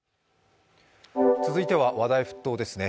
続いては話題沸騰ですね。